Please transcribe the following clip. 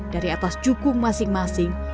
dari atas jukung masing masing